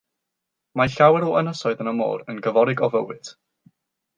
Mae llawer o ynysoedd yn y môr yn gyforiog o fywyd.